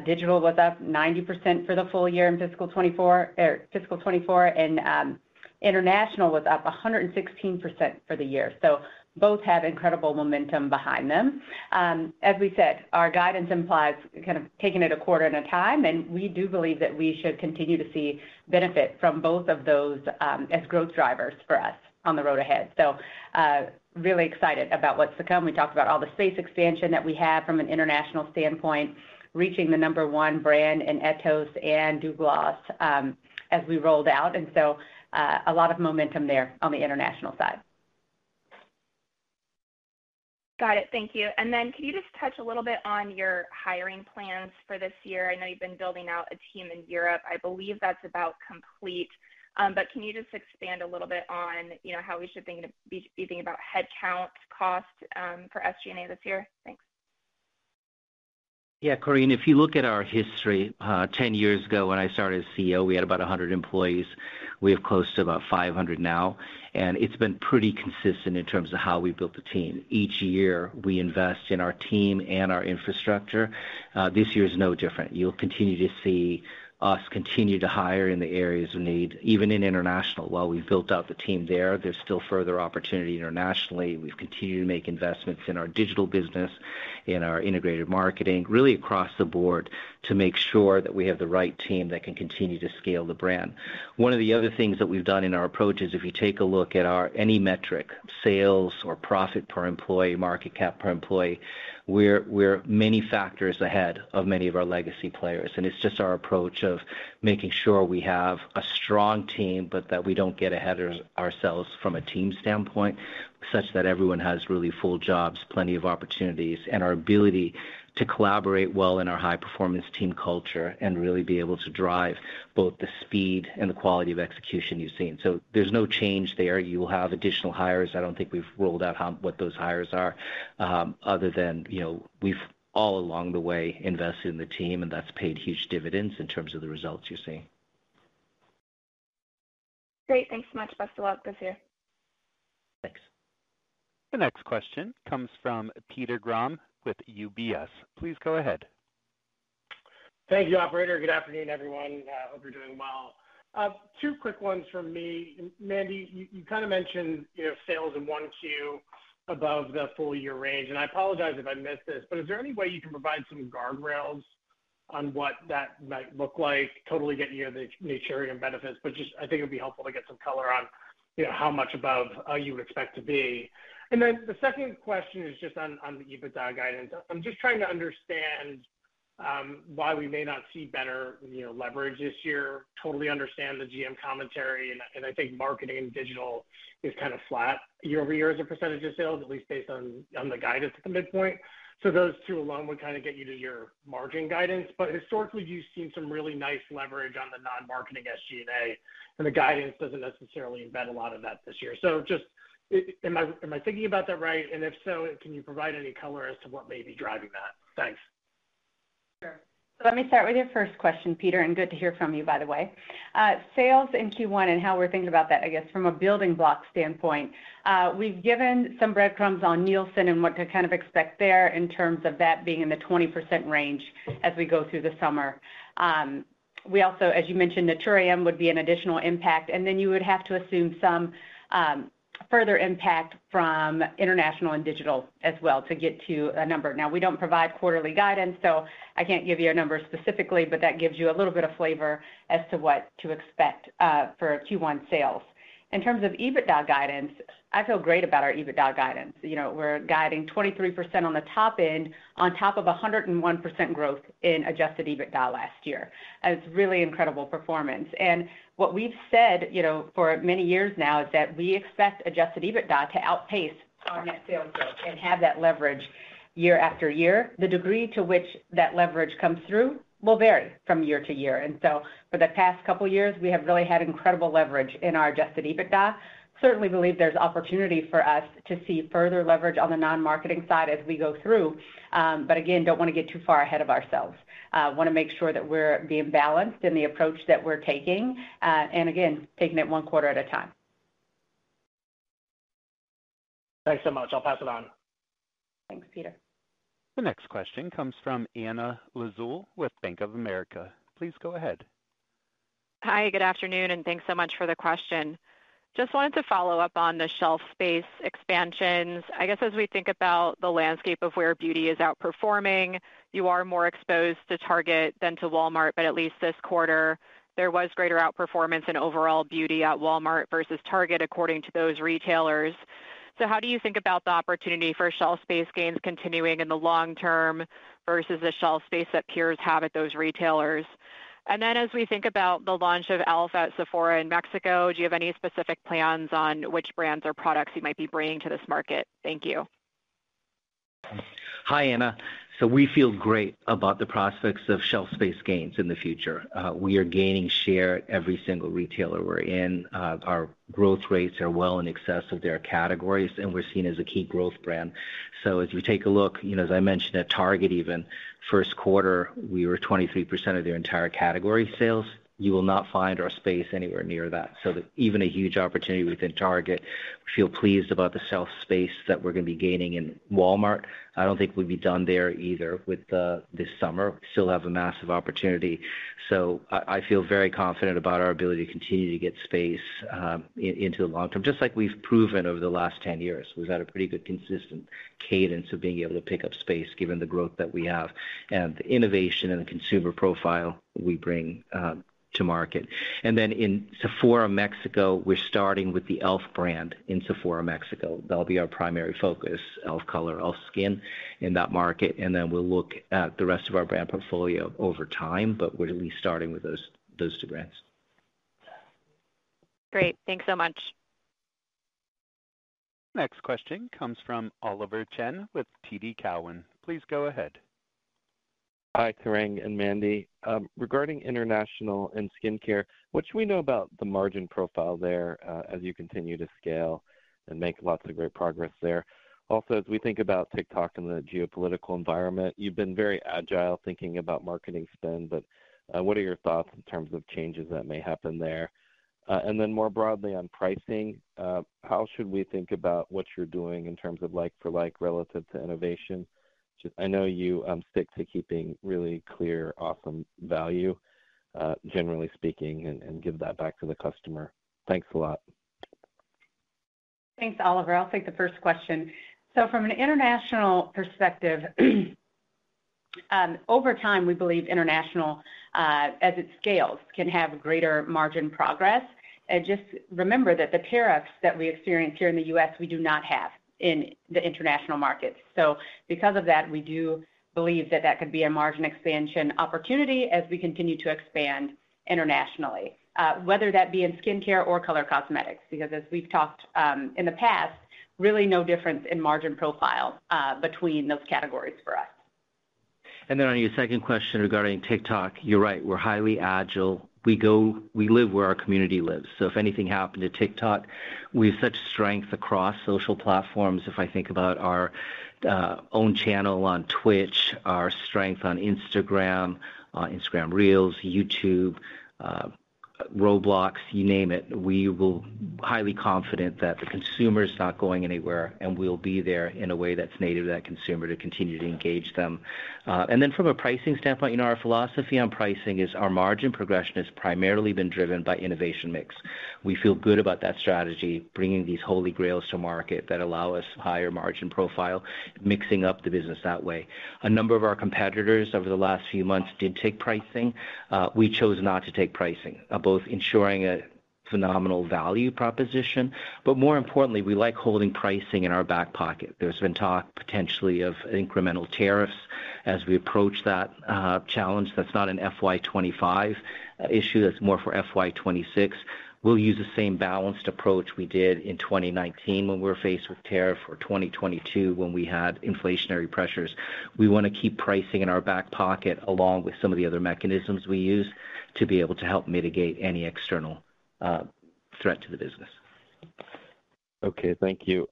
digital was up 90% for the full year in fiscal 2024, or fiscal 2024, and international was up 116% for the year. So both have incredible momentum behind them. As we said, our guidance implies kind of taking it a quarter at a time, and we do believe that we should continue to see benefit from both of those, as growth drivers for us on the road ahead. So, really excited about what's to come. We talked about all the space expansion that we have from an international standpoint, reaching the number one brand in Etos and Douglas, as we rolled out, and so, a lot of momentum there on the international side. Got it. Thank you. And then, can you just touch a little bit on your hiring plans for this year? I know you've been building out a team in Europe. I believe that's about complete. But can you just expand a little bit on, you know, how we should be thinking about headcount, cost, for SG&A this year? Thanks. Yeah, Korinne, if you look at our history, 10 years ago, when I started as CEO, we had about 100 employees. We have close to about 500 now, and it's been pretty consistent in terms of how we've built the team. Each year, we invest in our team and our infrastructure. This year is no different. You'll continue to see us continue to hire in the areas of need, even in international. While we've built out the team there, there's still further opportunity internationally. We've continued to make investments in our digital business, in our integrated marketing, really across the board, to make sure that we have the right team that can continue to scale the brand. One of the other things that we've done in our approach is, if you take a look at our, any metric, sales or profit per employee, market cap per employee, we're many factors ahead of many of our legacy players, and it's just our approach of making sure we have a strong team, but that we don't get ahead of ourselves from a team standpoint, such that everyone has really full jobs, plenty of opportunities, and our ability to collaborate well in our high-performance team culture and really be able to drive both the speed and the quality of execution you've seen. So there's no change there. You will have additional hires. I don't think we've rolled out on what those hires are, other than, you know, we've all along the way invested in the team, and that's paid huge dividends in terms of the results you're seeing. Great. Thanks so much. Best of luck this year. Thanks. The next question comes from Peter Grom with UBS. Please go ahead. Thank you, operator. Good afternoon, everyone. Hope you're doing well. Two quick ones from me. Mandy, you kind of mentioned, you know, sales in 1Q above the full year range, and I apologize if I missed this, but is there any way you can provide some guardrails on what that might look like? Totally getting you the Naturium benefits, but just I think it'd be helpful to get some color on, you know, how much above you would expect to be. And then the second question is just on the EBITDA guidance. I'm just trying to understand why we may not see better, you know, leverage this year. Totally understand the GM commentary, and I think marketing and digital is kind of flat year-over-year as a percentage of sales, at least based on the guidance at the midpoint. So those two alone would kind of get you to your margin guidance. But historically, you've seen some really nice leverage on the non-marketing SG&A, and the guidance doesn't necessarily embed a lot of that this year. So just, am I, am I thinking about that right? And if so, can you provide any color as to what may be driving that? Thanks. Sure. So let me start with your first question, Peter, and good to hear from you, by the way. Sales in Q1 and how we're thinking about that, I guess, from a building block standpoint, we've given some breadcrumbs on Nielsen and what to kind of expect there in terms of that being in the 20% range as we go through the summer. We also, as you mentioned, Naturium would be an additional impact, and then you would have to assume some further impact from international and digital as well to get to a number. Now, we don't provide quarterly guidance, so I can't give you a number specifically, but that gives you a little bit of flavor as to what to expect for Q1 sales. In terms of EBITDA guidance, I feel great about our EBITDA guidance. You know, we're guiding 23% on the top end, on top of 101% growth in adjusted EBITDA last year. It's really incredible performance. What we've said, you know, for many years now is that we expect adjusted EBITDA to outpace our net sales growth and have that leverage... year after year, the degree to which that leverage comes through will vary from year to year. So for the past couple of years, we have really had incredible leverage in our adjusted EBITDA. Certainly believe there's opportunity for us to see further leverage on the non-marketing side as we go through, but again, don't want to get too far ahead of ourselves. Want to make sure that we're being balanced in the approach that we're taking, and again, taking it one quarter at a time. Thanks so much. I'll pass it on. Thanks, Peter. The next question comes from Anna Lizzul with Bank of America. Please go ahead. Hi, good afternoon, and thanks so much for the question. Just wanted to follow up on the shelf space expansions. I guess, as we think about the landscape of where beauty is outperforming, you are more exposed to Target than to Walmart, but at least this quarter, there was greater outperformance in overall beauty at Walmart versus Target, according to those retailers. So how do you think about the opportunity for shelf space gains continuing in the long term versus the shelf space that peers have at those retailers? And then, as we think about the launch of e.l.f. at Sephora in Mexico, do you have any specific plans on which brands or products you might be bringing to this market? Thank you. Hi, Anna. So we feel great about the prospects of shelf space gains in the future. We are gaining share at every single retailer we're in. Our growth rates are well in excess of their categories, and we're seen as a key growth brand. So as we take a look, you know, as I mentioned, at Target, even, first quarter, we were 23% of their entire category sales. You will not find our space anywhere near that. So even a huge opportunity within Target, feel pleased about the shelf space that we're gonna be gaining in Walmart. I don't think we'll be done there either with the, this summer. We still have a massive opportunity. So I feel very confident about our ability to continue to get space, in, into the long term, just like we've proven over the last 10 years. We've had a pretty good consistent cadence of being able to pick up space, given the growth that we have, and the innovation and the consumer profile we bring to market. And then in Sephora Mexico, we're starting with the e.l.f. brand in Sephora Mexico. That'll be our primary focus, e.l.f. Color, e.l.f. Skin, in that market, and then we'll look at the rest of our brand portfolio over time, but we're at least starting with those two brands. Great. Thanks so much. Next question comes from Oliver Chen with TD Cowen. Please go ahead. Hi, Tarang and Mandy. Regarding international and skincare, what do we know about the margin profile there, as you continue to scale and make lots of great progress there? Also, as we think about TikTok and the geopolitical environment, you've been very agile thinking about marketing spend, but, what are your thoughts in terms of changes that may happen there? And then more broadly, on pricing, how should we think about what you're doing in terms of like-for-like relative to innovation? I know you stick to keeping really clear, awesome value, generally speaking, and, and give that back to the customer. Thanks a lot. Thanks, Oliver. I'll take the first question. So from an international perspective, over time, we believe international, as it scales, can have greater margin progress. And just remember that the tariffs that we experience here in the U.S., we do not have in the international markets. So because of that, we do believe that that could be a margin expansion opportunity as we continue to expand internationally, whether that be in skincare or color cosmetics, because as we've talked, in the past, really no difference in margin profile, between those categories for us. And then on your second question regarding TikTok, you're right, we're highly agile. We live where our community lives. So if anything happened to TikTok, we have such strength across social platforms. If I think about our own channel on Twitch, our strength on Instagram, on Instagram Reels, YouTube, Roblox, you name it, highly confident that the consumer is not going anywhere, and we'll be there in a way that's native to that consumer to continue to engage them. And then from a pricing standpoint, our philosophy on pricing is our margin progression has primarily been driven by innovation mix. We feel good about that strategy, bringing these holy grails to market that allow us higher margin profile, mixing up the business that way. A number of our competitors over the last few months did take pricing. We chose not to take pricing, both ensuring a phenomenal value proposition, but more importantly, we like holding pricing in our back pocket. There's been talk potentially of incremental tariffs as we approach that challenge. That's not an FY 2025 issue, that's more for FY 2026. We'll use the same balanced approach we did in 2019 when we were faced with tariff or 2022, when we had inflationary pressures. We want to keep pricing in our back pocket, along with some of the other mechanisms we use, to be able to help mitigate any external threat to the business. Okay, thank you.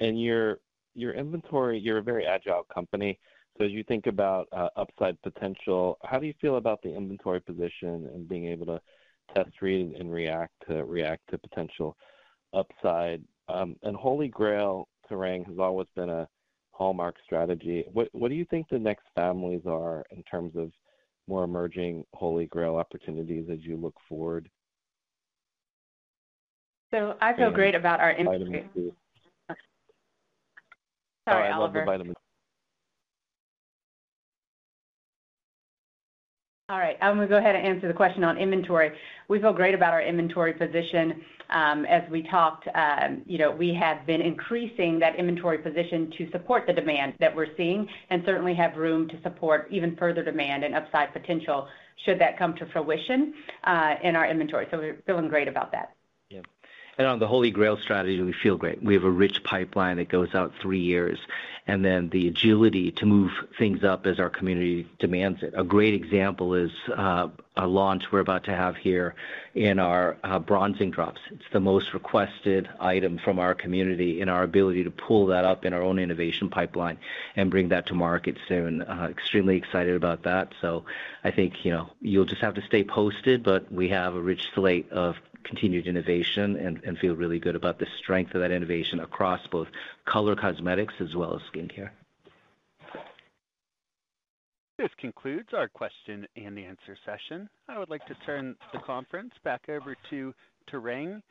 And your, your inventory, you're a very agile company, so as you think about upside potential, how do you feel about the inventory position and being able to test, read, and react to potential upside? And Holy Grail, Tarang, has always been a hallmark strategy. What do you think the next families are in terms of more emerging Holy Grail opportunities as you look forward? I feel great about our inventory. Vitamins, too. Sorry, Oliver. I love the vitamins. All right, I'm going to go ahead and answer the question on inventory. We feel great about our inventory position. As we talked, you know, we have been increasing that inventory position to support the demand that we're seeing and certainly have room to support even further demand and upside potential should that come to fruition, in our inventory. So we're feeling great about that. Yeah. And on the Holy Grail strategy, we feel great. We have a rich pipeline that goes out three years, and then the agility to move things up as our community demands it. A great example is, a launch we're about to have here in our, bronzing drops. It's the most requested item from our community, and our ability to pull that up in our own innovation pipeline and bring that to market soon, extremely excited about that. So I think, you know, you'll just have to stay posted, but we have a rich slate of continued innovation and, and feel really good about the strength of that innovation across both color cosmetics as well as skincare. This concludes our question and answer session. I would like to turn the conference back over to Tarang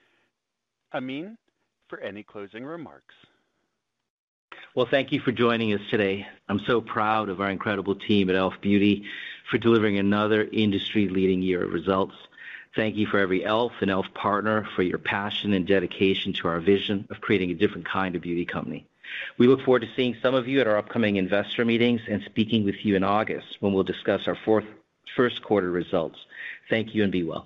Amin for any closing remarks. Well, thank you for joining us today. I'm so proud of our incredible team at e.l.f. Beauty for delivering another industry-leading year of results. Thank you for every elf and elf partner for your passion and dedication to our vision of creating a different kind of beauty company. We look forward to seeing some of you at our upcoming investor meetings and speaking with you in August, when we'll discuss our first quarter results. Thank you, and be well.